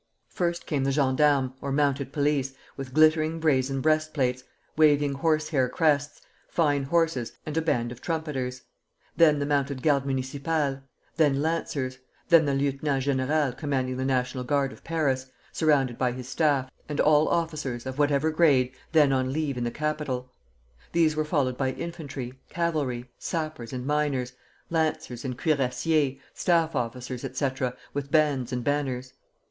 First came the gendarmes, or mounted police, with glittering brazen breastplates, waving horse hair crests, fine horses, and a band of trumpeters; then the mounted Garde Municipale; then Lancers; then the Lieutenant General commanding the National Guard of Paris, surrounded by his staff, and all officers, of whatever grade, then on leave in the capital. These were followed by infantry, cavalry, sappers and miners, Lancers, and Cuirassiers, staff officers, etc., with bands and banners.